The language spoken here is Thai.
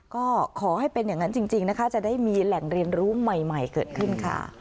ก็ขอให้เป็นอย่างนั้นจริงนะคะจะได้มีแหล่งเรียนรู้ใหม่เกิดขึ้นค่ะ